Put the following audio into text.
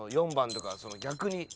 ４番とか逆に。